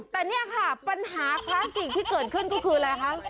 แต่เนี่ยค่ะปัญหาคลาสสิกที่เกิดขึ้นก็คืออะไรคะ